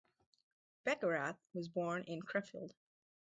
Beckerath was born in Krefeld.